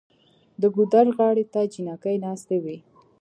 د ګودر غاړې ته جینکۍ ناستې وې